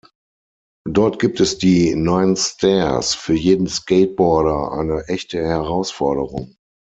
Dort gibt es die „Nine Stairs“, für jeden Skateboarder eine echte Herausforderung.